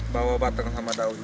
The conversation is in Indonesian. bawa batang sama daun